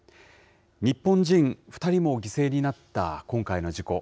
日本人２人も犠牲になった今回の事故。